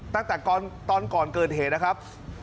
ตั้งแต่ตอนก่อนเกิดเหตุนะครับ